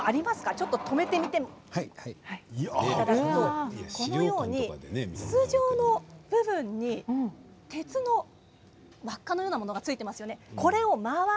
ちょっと、止めていただくとこのように筒状の部分に鉄の輪っかのようなものがついていますよね。